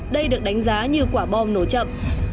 đây được đánh giá như quả bom nổ chậm